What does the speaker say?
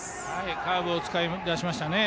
カーブを使い出しましたね。